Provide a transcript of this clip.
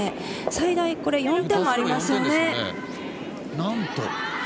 最大４点もありますよね。